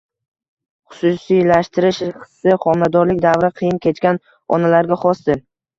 Xususiylashtirish hissi xomiladorlik davri qiyin kechgan onalarga xosdir.